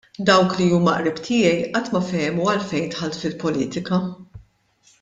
Dawk li huma qrib tiegħi qatt ma fehmu għalfejn dħalt fil-politika.